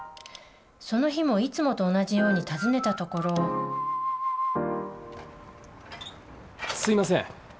その日もいつもと同じように訪ねたところすいません。